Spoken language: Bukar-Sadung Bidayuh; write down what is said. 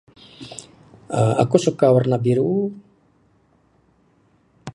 uhh aku suka warna biru